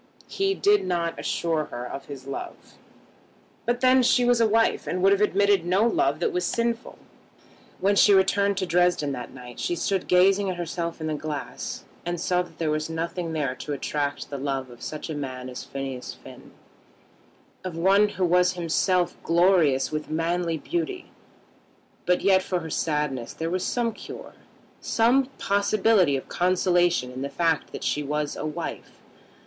He did not assure her of his love, but then she was a wife, and would have admitted no love that was sinful. When she returned to Dresden that night she stood gazing at herself in the glass and saw that there was nothing there to attract the love of such a man as Phineas Finn, of one who was himself glorious with manly beauty; but yet for her sadness there was some cure, some possibility of consolation in the fact that she was a wife.